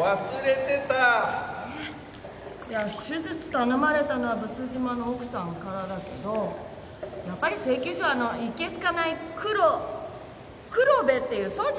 いや手術頼まれたのは毒島の奥さんからだけどやっぱり請求書はあのいけ好かない黒黒部っていう総長ね？